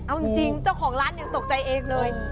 เอาจริงเจ้าของร้านยังตกใจเองเลย